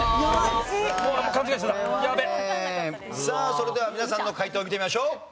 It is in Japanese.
さあそれでは皆さんの解答を見てみましょう。